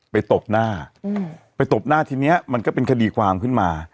ตบหน้าไปตบหน้าทีนี้มันก็เป็นคดีความขึ้นมา